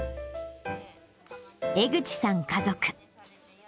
江口さん家族。